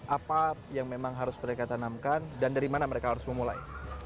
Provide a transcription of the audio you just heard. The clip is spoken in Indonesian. apa yang memang harus mereka tanamkan dan dari mana mereka harus memulai